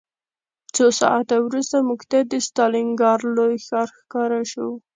څو ساعته وروسته موږ ته د ستالینګراډ لوی ښار ښکاره شو